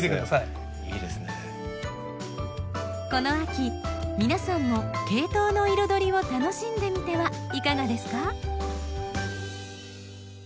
この秋皆さんもケイトウの彩りを楽しんでみてはいかがですか？